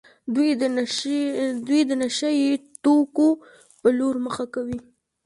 دوی د نشه يي توکو په لور مخه کوي.